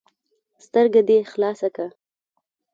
ـ سترګه دې خلاصه که.